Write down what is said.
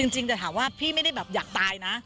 จริงแต่ถามว่าพี่ไม่ได้แบบอยากตายนะ